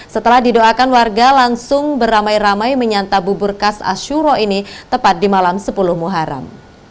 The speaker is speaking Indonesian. setelah didoakan warga langsung beramai ramai menyantap bubur khas ashuro ini tepat di malam sepuluh muharam